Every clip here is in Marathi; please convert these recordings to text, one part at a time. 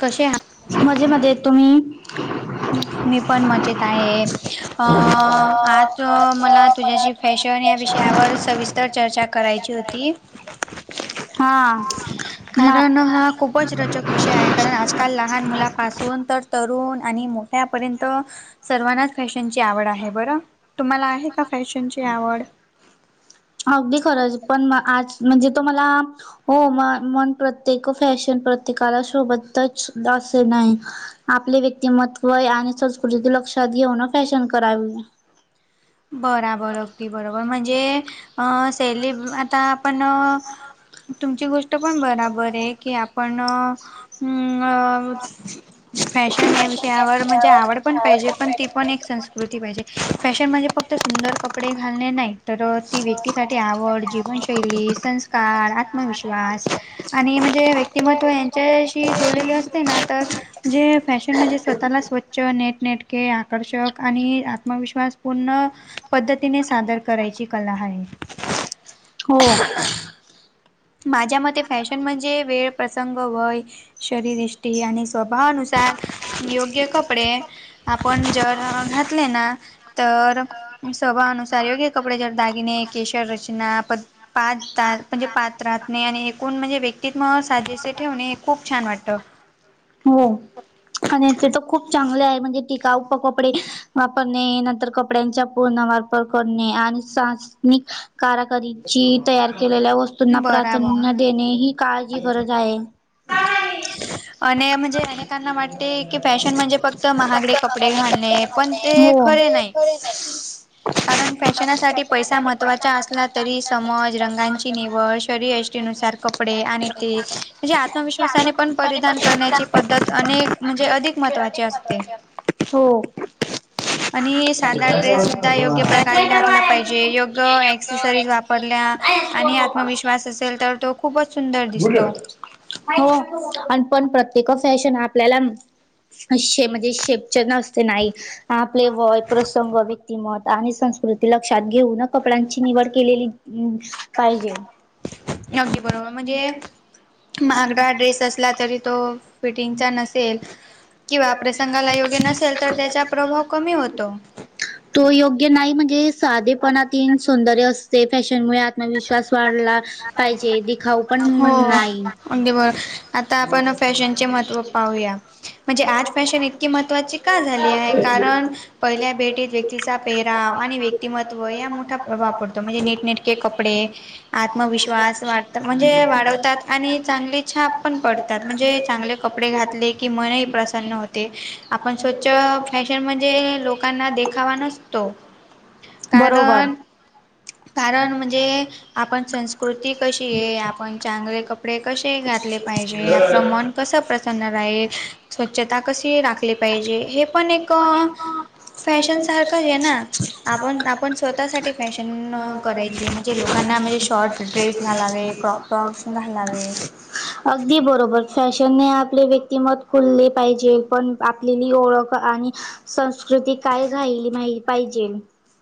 कसे आहात मजे मध्ये, तुम्ही? मी पण मजेत आहे अ आज मला तुझ्याशी फॅशन या विषयावर सविस्तर चर्चा करायची होती. हा म कारण हा खूपच [inaudible] रचक विषय आहे कारण आजकाल लहान मुलापासून तर तरुण आणि मोठ्यापर्यंत सर्वांनाच फॅशनची आवड आहे बरं, तुम्हाला आहे का फॅशनची आवड? अगदी खरंच पण म आज म्हणजे तुम्हाला हो म मन प्रत्येक फॅशन प्रत्येकाला शोबतच असे नाही. आपले व्यक्तिमत्वय आणि संस्कृती लक्षात घेऊन फॅशन करावी. बरा बर अगदी बरोबर म्हणजे अ सेली आता आप त्यामुळं [inaudible] पण बराबर आहे की आपण अ फॅशन या विषयावर म्हणजे आवड पण पाहिजे पण ती पण एक संस्कृती पाहिजे फॅशन म्हणजे फक्त सुंदर कपडे घालणे नाही तर ती व्यक्तीसाठी आवड जीवनशैली, संस्कार, आत्मविश्वास अ आणि म्हणजे व्यक्तिमत्व यांच्याशीच जोडलेले असते ना तर, जे फॅशन म्हणजे स्वतःला स्वच्छ, नेटनेटके, आकर्षक आणि आत आत्मविश्वास पूर्ण, पद्धतीने सादर करायची कला हाये. हो माझ्या मते फॅशन म्हणजे वेळ, प्रसंग, वय, शरीरयष्टी आणि स्वभावानुसार [unintelligible] योग्य कपडे आपण जर घातले ना तर अ स्वभावानुसार योग्य कपडे जर दागिने, केशर रचना पद पाच द म्हणजे पाच राहत नाही आणि एकूण म्हणजे व्यक्तित्व साजेसे ठेवणे हे खूप छान वाटतं. हो आणि ते तर खूप चांगले आहे म्हणजे टिकाऊ प कपडे वापरणे नंतर कपड्यांचा पूर्ण वापर करणे आणि सास निक काराकरीची तयार केलेल्या वस्तूंना बराबर. प्राधान्य देणे ही काळाची गरज आहे. [unintelligible] आणि म्हणजे अनेकांना वाटते की फॅशन म्हणजे फक्त महागडे कपडे घालणे पण ते खरे नाही. खरे नाही. कारण फॅशनासाठी पैसा महत्त्वाचा असला तरी समज, रंगाची निवड, शरीयष्टी नुसार कपडे आणि ते म्हणजे आत आत्मविश्वासाने पण परिधान करण्याची पद्धत अनेक म्हणजे अधिक महत्त्वाचे असते. हो आणि साधा ड्रेस सुद्धा योग्य प्रकारे घातला पाहिजे योग्य एक्स एक्सरीज वापरल्या आणि आत्मविश्वास असेल तर तो खूपच सुंदर दिसतो. नाही. हो आणि पण प्रत्येक फॅशन आपल्याला शे म्हणजे शेपच न असते नाही. आपले वय प्रसंग व्यक्तिमत आणि सं कृती लक्षात घेऊ ना कपड्यांची निवड केलेली पाहिजे अगदी बरोबर म्हणजे महागडा ड्रेस अस तरी तो फिटिंगचा नसेल किंवा प्रसंगाला योग्य नसेल तर त्याचा प्रभाव कमी होतो. तो योग्य नाही म्हणजे साधेपणात ही सौंदर्य असते फॅशनमुळे विश्वास वाढला पाहिजे दिखाऊ पण नाही. अगदी बरो आता आपण फॅशनचे महत्त्व पाहूया म्हणजे आज फॅशन इतकी महत्त्वाची का झाली आहे कारण पहिल्या भेटीत व्यक्तीचा पेहराव आणि व्यक्तिमत्त्व या मोठा प्रभाव पडतो. तुम्ही जे नीटनेटके कपडे कपडे आत्मविश्वास वाढतात म्हणजे वाढवतात आणि चांगली छाप पण पडतात म्हणजे चांगले कपडे घातले की मनही प्रसन्न होते आपण स्वच्छ फॅशन म्हणजे लोकांना देखावा नसतो. बरोबर कारण कारण म्हणजे जे आपण संस्कृती कशी आहे आपण चांगले कपडे कसे घातले पाहिजे आपलं मन कसं प्रसन्न राहील स्वच्छता कशी राखली पाहिजे हे पण फॅशन सारखंच आहे ना आपण आपण [unintelligible] स्वतःसाठी फॅशन करायचे. म्हणजे लोकांना म्हणजे शॉर्ट ड्रेस घालावे क्रॉप टॉप घालावे. अगदी बरोबर. फॅशनने आपले व्यक्तिमत् खुलले पाहिजे पण आपली नी ओळख आणि संस्कृती काय राहीली माहिती पाहिजे.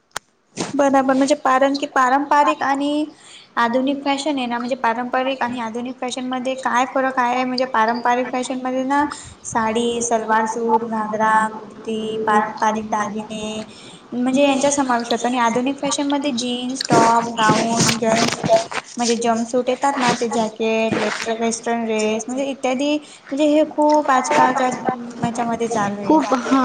[inaudible] बराबर म्हणजे कारण की पारंपरिक आणि आधुनिक फॅशन आहे ना म्हणजे पारंपरिक आणि आधुनिक फॅशन त्यामध्ये काय फरक आहे म्हणजे पारंपरिक फॅशन मध्ये ना साडी, सलवार सूट, घागरा, कुर्ता ती पारंपरिक दागिने म्हणजे यांच्या समावेश होतो आणि आधुनिक फॅशन मध्ये जीन्स, टॉप, गाउन, जेंट्स म्हणजे जम सूट येतात ना ते जॅकेट व वेस्टर्न ड्रेस एकच म्हणजे इत्यादी म्हणजे हे खूप आजकालच्या ह्याचा मधे खूप हा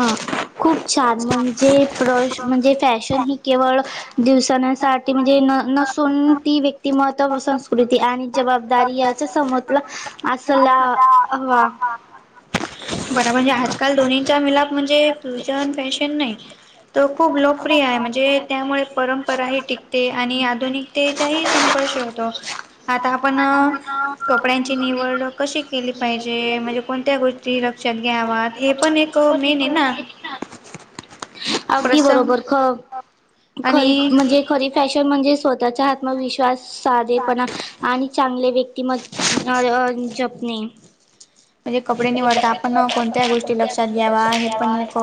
खूप छान म्हणजे प्र म्हणजे फॅशन ही केव् दिसण्यासाठी म्हणजे न नसून ती व्यक्तिमत संस्कृ कृती आणि जबाबदारी याच्या समजला असला हवा. बर म्हणजे आजकाल दोन्हीचा मिलाप म्हणजे फ्युजन फॅशन नाही. तो खूप लोकप्रिय आहे म्हणजे त्यामुळे परंपराही टिकते आणि आधुनिकतेच्याही संपळशी होतो. आता आपण कपड्यांची निवड कशी केली पाहिजे म्हणजे कोणत्या गोष्टी लक्षात घ्याव्या हे पण एक मेन आहे ना अगदी प्रसंग बरोबर ख खरी आणि म्हणजे खरी फॅशन म्हणजे स्वतःचा आत्मविश्वास साधेपणा आणि चांगले व्यक्तीमत जपणे. म्हणजे कपडे निवडता आपण कोणत्या गोष्टी लक्षात घ्यावा, हे पण एक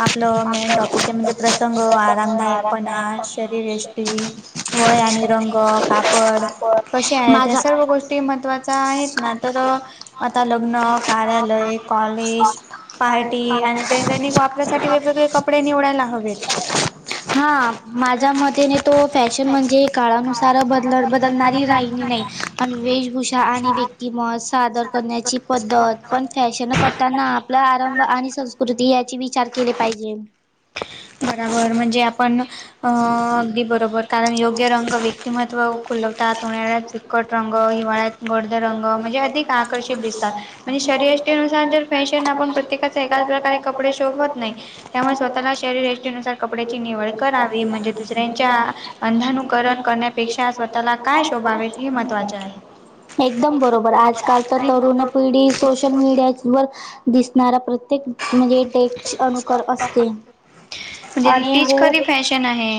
आपलं मेन टॉपिक आहे म्हणजे प्रसंग, आरामदायकपणा, शरीरयष्टी वय आणि रंग, कापड कसे आहेत या माझा सर्व गोष्टी ते महत्वाचा आहेत ना तर आता लग्न, कार्यालय कॉलेज पार्टी आणि दैजनिक वापरासाठी वेगवेगळे कप कपडे निवडायला हवेत. हा, माझ्या मतेने तो फॅशन म्हणजे काळानुसार बदल बदलणारी राहिली नाही. पण वेशभूषा आणि व्यक्तिमत सादर करण्याची पद्धत पण फॅशन करताना आपला आरंभ आणि संस्कृती याचे विचार केले पाहिजे. बराबर म्हणजे आपण, अ अगदी बरोबर कारण योग्य रंग क्यतिमत्व खुलवतात, उन्हाळ्यात फिकट रंग हिवाळ्यात गडद रंग, म्हणजे अधिक आकर्षित दिसतात, म्हणजे शरीरयष्टीनुसार जर फॅशन आपण प्रत्येकाचे एकाच प्रकारे कपडे शोभत नाही, त्यामुळे स्व तला शरीरष्टीनुसार कपड्याची निवड करावी, म्हणजे दुसऱ्यांच्या अंधानुकरण कर पेक्षा स्वतःला काय शोभावेत हे महत्वाचे आहे. एकदम बरोबर, आजकाल तर तरुण पिढी सोशल मीडिया वर दिसणारा प्र ते म्हणजे डेक्च अनुकर असते. म्हणजे आणि तीच हो कधी फॅशन आहे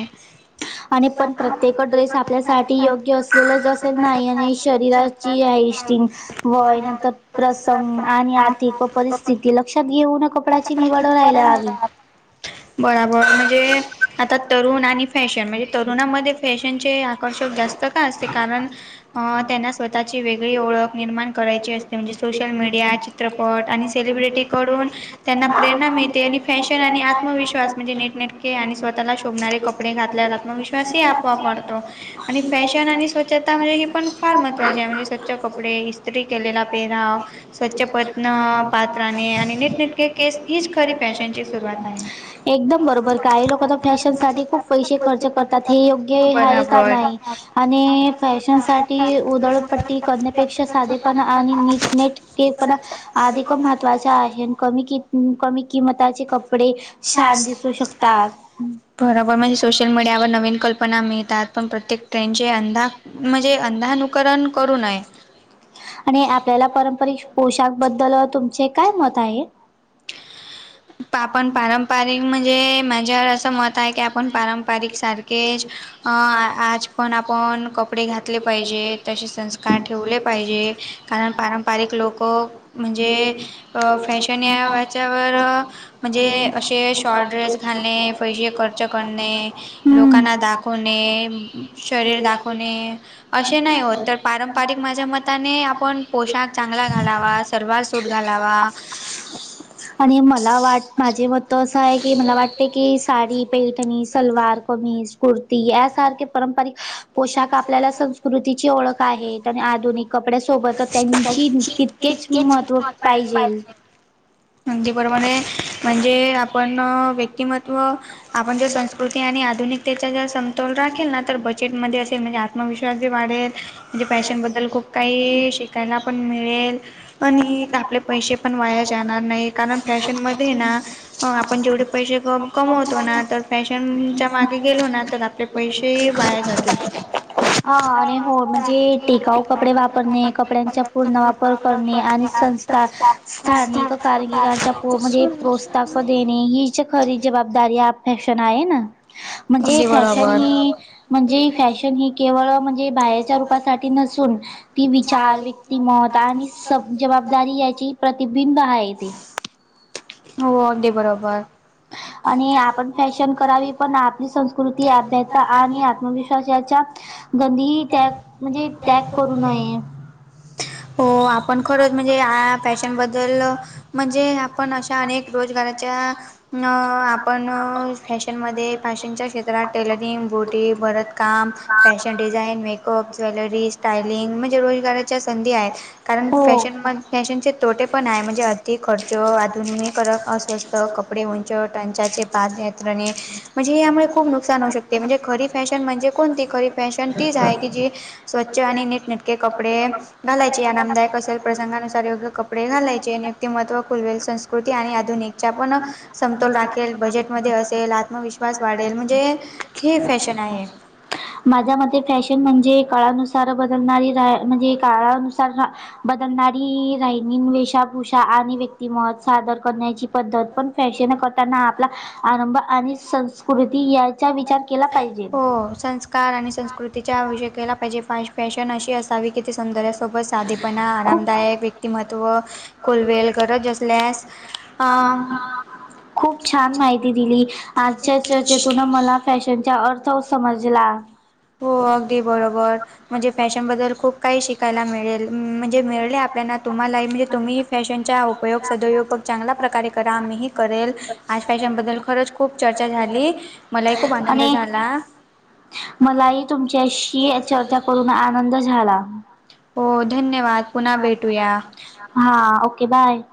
आणि [unintelligible] पण प्रत्येक ड्रेस आपल्यासाठी योग्य असलेलंच असेल नाही आणि शरीराची हायस्टिंग वय नंतर प्रसंग आणि आर्थिक व परिस्थिती लक्षात घेऊन कपड्याची निवड राहायला हवी. का [inaudible] बराबर म्हणजे, आता तरुण आणि फॅशन, म्हणजे तरुणामध्ये फॅशनचे आकर्षक जास्त ते का असते कारण अं त्यांना स्वतःची वेगळी ओळख निर्माण करायची असते, म्हणजे सोशल मीडिया, चित्रपट, आणि सेलिब्रिटी क कडुन त्यांना प्रेरणा मिळते, आणि फॅशन आणि आत्मविश्वास म्हणजे नीटनेटके आणि स्वतःला शोभणारे कप कपडे घातल्यावर आत्मविश्वास आपोआप वाडतो, आणि फॅशन आणि स्वचछता म्हणजे पण फार महत्त्वाची आहे, म्हणजे स्वच्छ कपडे इस्त्री केलेला पेराव, स्वच्छ पत्न पात्रां आणि नीटनेटके केस, हीच खरी फॅशन ची सुरवात आहे. एकदम बरोबर काही लोक तर फॅशन साठी खूप पैसे खर्च करतात, हे योग्य आहे का नाही, आणि फॅशनसाठी उधळपट्टी कण्यापेक्षा साधेपणा आणि नीट नेट के पणा अधिक महत्त्वाच्या आहे, आणि कमी कि कमी किंमताचे कप कपडे छान दिसू शकतात. बराबर, म्हणजे सोशल मीडियावर नवीन कल्पना मिळतात, पण प्रत्येक ट्रेंडचे अंधा म्हणजे अंधानुकरण करू नये. आणि आपल्याला पारंपरिक पोशाख बद्दल तुमचे काय मत आहे. ओके. आपण पारंपरिक म्हणजे, माझ्यावर असं मत आहे की आपण पारंपारिक सारखेच अ आज पण आपण कपडे घातले पाहिजे, तसे संस्कार ठेवले पाहिजे, कारण पारंपरिक लोकं म्हणजे फॅशन या वाच्यावर म्हणजे असे शॉर्ट ड्रेस घालणे, पैसे कर्च करणे, हम्म लोकांना दाखवणे, शरीर दाखवणे, असे नाहि होत, तर पारंपरिक माझ्या मताने आपण पोशाख चांगला घालावा. सलवार सूट घालावा, आणि मला वाट माझे मत असं आहे की मला वाटतय की साडी पैठणी, सलवार कमीज. कुर्ती यासारखे पारंपरिक पोशाख आपल्याला स कृतीची ओळख आहे आणि आधुनिक कपड्यासोबत त्यांची तितकेच महत्त्व पाहिजेल. [inaudible] जप्रमाणे म्हणजे आपण व्यक्तिमत्त्व आपण जे संस्कृती. ते आणि आधुनिकतेचा जर समतोल राखेल ना तर बजेटमध्ये असे म्हणजे आत्मविश्वास वाढेल म्हणजे फॅशनबद्दल खूप काही शिकायला पण मिळेल. आणि आपले पैसे पण वाया जाणार नाही कारण फॅशन मध्ये ना? आपण जेवढे पैसे कमवतो ना तर फॅशनच्या मागे गेलो ना तर आपले पैसे वाया जातेत. हा आणि हो म्हणजे टिकाऊ कपडे वापरणे कपड्यांचा पूर्ण वापर करणे आणि स पूर्ण स्थानिक कारगिराच्या म्हणजे प्रोस्ताक मध्ये. आणि हिच खरी जबाबदारी आप फॅशन आहे ना? म्हणजे फॅशन हि म्हणजे फॅशन हि म्हणजे बाहेरच्या रूपासाठी नसुन ती विचार व्यक्तिमत आणि सब जबाबदारी याची प्रतिबिंब आहे ते. हो अगदी बरोबर. आणि आपण फॅशन करावी पण आपली संस्कृती अभ्याता आणि आत्मविश्वासा याच्या कधी त्याग म्हणजे त्याग करू नये. हो आपण खरच म्हणजे आ फॅशन बद्दल म्हणजे आपण अश अनेक रोजगाराच्या आपण फॅशनमध्ये फॅशनच्या क्षेत्रात टेलरिंग, बोटी, भरतकाम fashion design, makeup, jewellery, styling म्हणजे रोजगाराच्या संधी आहेत. कारण हो. फॅशन म फॅशनचे तोटे पण आहे म्हणजे अधिक खर्च धुनीकरक अस्वस्थ कपडे, उंच टाचांचे पादयात्रणे. म्हणजे यामुळे खूप नुकसान होऊ शकते म्हणजे खरी फॅशन म्हणजे कोणती? खरी फॅशन तीच आहे की जी स्वच्छ आणि नीटनटके कपडे घालायची आरामदायक असे प्रसंगानुसार योग्य कपडे घालायचे आणि व्यक्तिमत्त्व खुलवेल संस्कृत आधुनिकच्या पण समतोल राखेल बजेट मध्ये असेल आत्मविश्वास वाढेल म्हणजे ही एक फॅशन आहे. माझ्या मते फॅशन म्हणजे काळानुसार बदलणारी रा म्हणजे काळानुसार रा बदलणारी राहिणी वेषाभूषा आणि व्यक्तिमत सादर करण्याची पद्धत पण फॅशन करताना आपला आरंभ आणि संस्कृती याचा विचार केला पाहिजे. काळ आणि संस्कृतीच्या आवश्यकला पाहिजे फ फॅशन अशी असावी की ती सौंदर्य सो व साधेपणा, आरामदायक, व्यक्तिमत्व खूप खुलवेल गरज असल्यास हा. खूप छान माहिती दिली आजच्या चर्चेतून मला फॅशनचा अर्थ समजला. हो अगदी बरोबर म्हणजे फॅशन बद्दल खूप काही शिकायला मिळेल. म्हणजे मिळले आपल्याला तुम्हालाही म्हणजे तुम्ही फॅशनचा उपयोग सदोयपग चांगल्या प्रकारे करा मीही करेल. आज फॅशन बद्दल खरच खूप चर्चा झाली, मलाही खूप आनंद आणि झाला. मलाही तुमच्याशी चर्चा करून आनंद झाला. हो धन्यवाद पुन्हा भेटूया. हा ओके बाय.